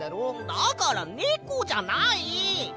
だからネコじゃない！